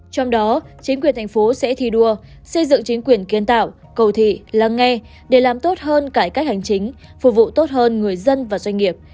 trong đó chính quyền thành phố sẽ thi đua xây dựng chính quyền kiến tạo cầu thị lắng nghe để làm tốt hơn cải cách hành chính phục vụ tốt hơn người dân và doanh nghiệp